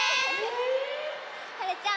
はるちゃん